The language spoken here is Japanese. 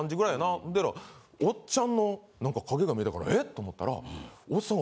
ほんだらおっちゃんのなんか影が見えたからえ！？と思ったら。